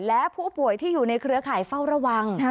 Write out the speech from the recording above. และผู้ป่วยที่อยู่ในเครือข่ายเฝ้าระวัง